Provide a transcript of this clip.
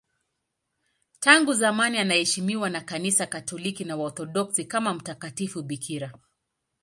Tangu zamani anaheshimiwa na Kanisa Katoliki na Waorthodoksi kama mtakatifu bikira.